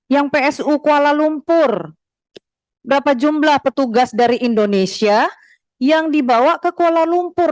yang psu kuala lumpur berapa jumlah petugas dari indonesia yang dibawa ke kuala lumpur